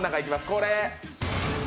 これ！